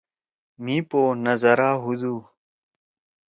مھی پو نَظرا ہودُو۔